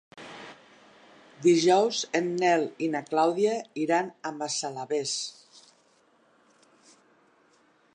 Dijous en Nel i na Clàudia iran a Massalavés.